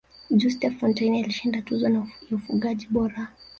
juste fontaine alishinda tuzo ya ufungaji bora